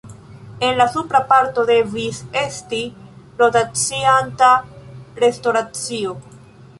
En la supra parto devis esti rotacianta restoracio.